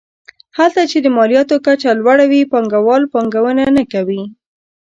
هلته چې د مالیاتو کچه لوړه وي پانګوال پانګونه نه کوي.